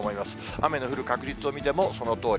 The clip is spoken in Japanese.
雨の降る確率を見ても、そのとおり。